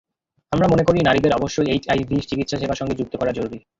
আমরা মনে করি, নারীদের অবশ্যই এইচআইভি চিকিৎসাসেবার সঙ্গে যুক্ত করা জরুরি।